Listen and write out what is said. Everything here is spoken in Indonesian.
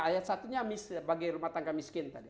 ayat satu nya bagi rumah tangga miskin tadi